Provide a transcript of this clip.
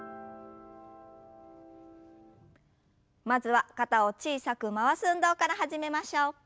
まずは肩を小さく回す運動から始めましょう。